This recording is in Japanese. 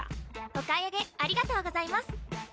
お買い上げありがとうございます。